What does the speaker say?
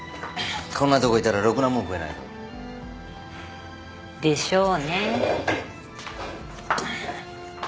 こんなとこいたらろくなもん食えないぞ。でしょうね。